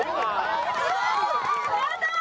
やったー！